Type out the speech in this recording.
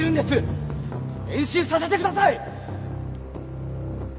練習させてください！